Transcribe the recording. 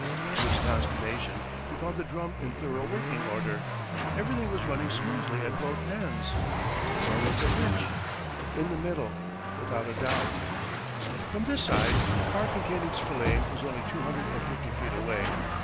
To his consternation, he found the drum in thorough working order. Everything was running smoothly at both ends. Where was the hitch? In the middle, without a doubt. From this side, the car containing Spillane was only two hundred and fifty feet away.